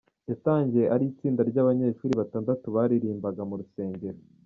Yatangiye ari itsinda ry’abanyeshuri batandatu baririmbaga mu rusengero.